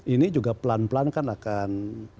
ini juga pelan pelan kan akan